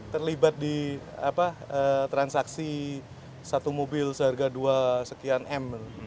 terlibat di transaksi satu mobil seharga dua sekian m